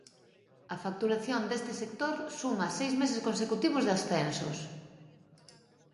A facturación deste sector suma seis meses consecutivos de ascensos.